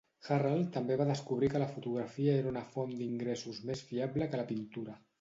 Hurrell també va descobrir que la fotografia era una font d'ingressos més fiable que la pintura.